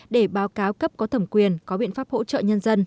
để báo cáo cấp có thẩm quyền có biện pháp hỗ trợ nhân dân